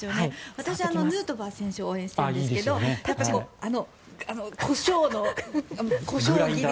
私、ヌートバー選手を応援しているんですけどあのコショウをひく。